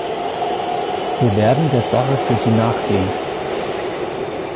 Wir werden der Sache für Sie nachgehen.